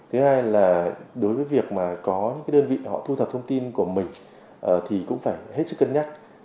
thứ hai là đối với việc mà có những đơn vị họ thu thập thông tin của mình thì cũng phải hết sức cân nhắc